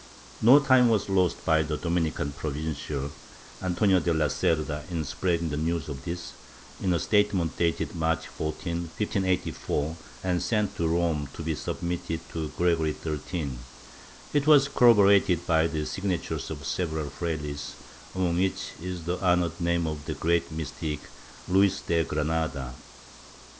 No time was lost by the Dominican Provincial, Antonio de la Cerda, in spreading the news of this, in a statement dated March 14, 1584, and sent to Rome to be sub mitted to Gregory XIIL It was corroborated by the signatures of several frailes, among which is the honored name of the great mystic, Luis de Granada.